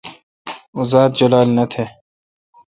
اوزات جولال نہ تھان۔